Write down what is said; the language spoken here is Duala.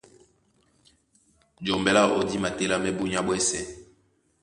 Jɔmbɛ láō dí matélámɛ́ búnyá ɓwɛ́sɛ̄.